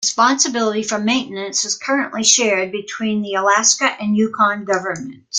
Responsibility for maintenance is currently shared between the Alaska and Yukon governments.